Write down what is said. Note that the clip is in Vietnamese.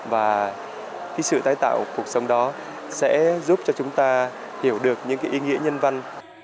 và sự tái tạo cuộc sống đó sẽ giúp cho chúng ta hiểu được những ý nghĩa nhân văn